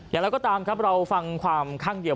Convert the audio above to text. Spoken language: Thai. อย่างไรก็ตามครับเราฟังความข้างเดียว